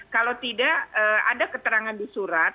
kalau tidak ada keterangan di surat